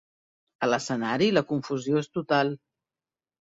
A l'escenari la confusió és total.